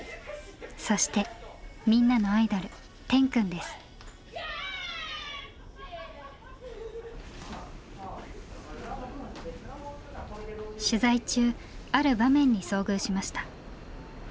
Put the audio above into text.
そしてみんなのアイドル取材中ある場面に遭遇しました。